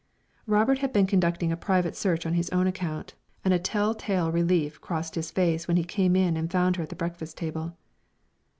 Robert had been conducting a private search on his own account, and a tell tale relief crossed his face when he came in and found her at the breakfast table.